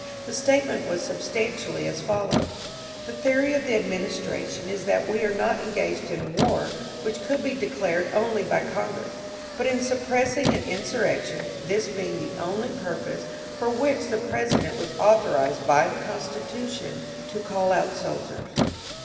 The statement was substantially as follows: The theory of the administration is that we are not engaged in a war, which could be declared only by Congress, but in suppressing an insurrection, this being the only purpose for which the President was authorized by the Constitution to call out soldiers.